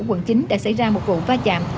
quận chín đã xảy ra một vụ va chạm